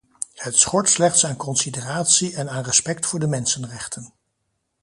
Het schort slechts aan consideratie en aan respect voor de mensenrechten.